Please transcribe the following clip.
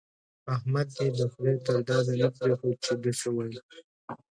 احمد دې د خدای تر داده نه پرېښود چې ده څه ويل.